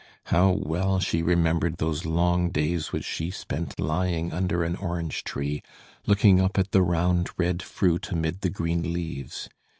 How well she remembered those long days which she spent lying under an orange tree, looking up at the round, red fruit, amid the green leaves.